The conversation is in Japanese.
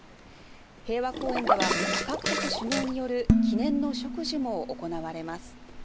平和公園では各国首脳による記念の植樹も行われます。